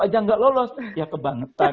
aja nggak lolos ya kebangetan